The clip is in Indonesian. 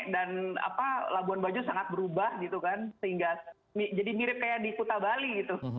dan apa labuan bajo sangat berubah gitu kan sehingga jadi mirip kayak di kuta bali gitu